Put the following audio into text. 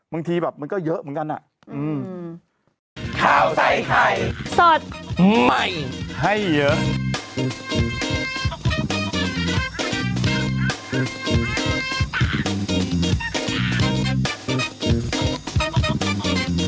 บางทีแบบมันก็เยอะเหมือนกัน